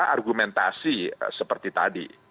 argumentasi seperti tadi